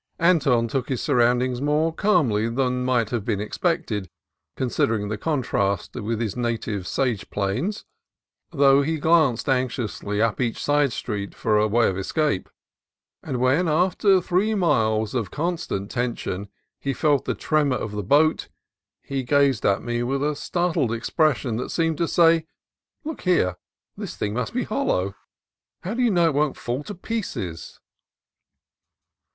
Anton took his surroundings more calmly than might have been expected, considering the contrast with his native sage plains ; though he glanced anx iously up each side street for a way of escape. And when after three miles of constant tension he felt the tremor of the boat, he gazed at me with a startled expression that seemed to say, "Look here, this thing must be hollow. How do you know it won't fall to pieces?"